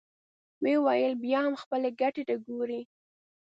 ويې ويل: بيا هم خپلې ګټې ته ګورې!